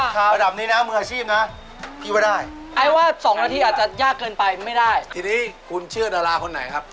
ทีนี้คุณเชื่อดาราคนไหนครับ